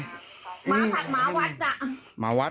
หมาพันธุ์วัดจ้ะหมาวัด